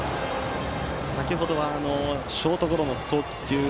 先程はショートゴロの送球で